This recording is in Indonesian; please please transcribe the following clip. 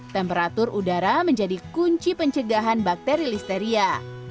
temperatur udara menjadi kunci pencegahan bakteri listeria